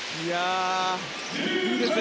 いいですね。